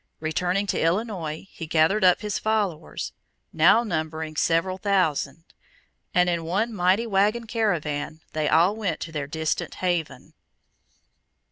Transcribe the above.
Returning to Illinois, he gathered up his followers, now numbering several thousand, and in one mighty wagon caravan they all went to their distant haven.